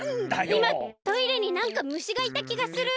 いまトイレになんかむしがいたきがする。